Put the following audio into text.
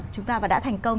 chúng ta và đã thành công